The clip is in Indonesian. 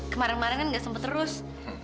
kemaren maren kan gak sempet terus